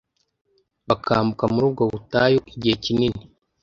bakambuka muri ubwo butayu igihe kinini